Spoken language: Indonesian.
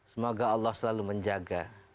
semoga allah selalu menjaga